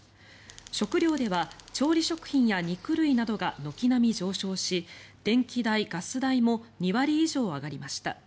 食料では調理食品や肉類などが軒並み上昇し電気代、ガス代も２割以上上がりました。